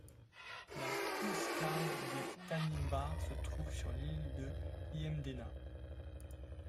La Bouscarle des Tanimbar se trouve sur l'île de Yamdena.